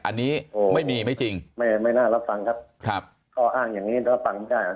อันนี้ไม่มีไม่จริงไม่น่ารับฟังครับก็อ้างอย่างนี้รับฟังไม่ได้